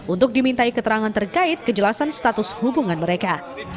untuk dimintai keterangan terkait kejelasan status hubungan mereka